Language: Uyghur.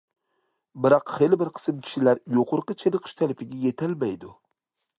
بىراق، خېلى بىر قىسىم كىشىلەر يۇقىرىقى چېنىقىش تەلىپىگە يېتەلمەيدۇ.